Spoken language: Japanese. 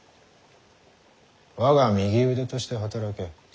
我が右腕として働け。